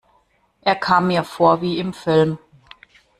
Es kam mir vor wie im Film.